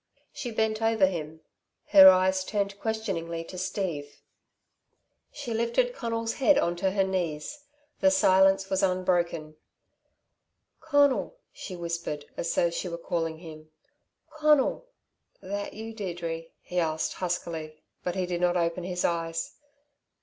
She bent over him; her eyes turned questioningly to Steve. She lifted Conal's head on to her knees. The silence was unbroken. "Conal," she whispered as though she were calling him, "Conal!" "That you, Deirdre?" he asked huskily, but he did not open his eyes.